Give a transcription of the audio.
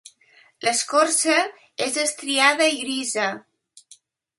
L'escorça és estriada i grisa.